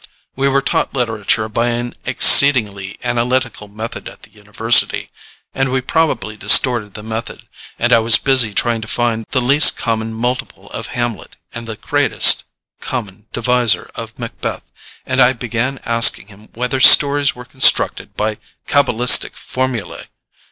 We were taught literature by an exceedingly analytical method at the University, and we probably distorted the method, and I was busy trying to find the least common multiple of Hamlet and the greatest common divisor of Macbeth, and I began asking him whether stories were constructed by cabalistic formulae.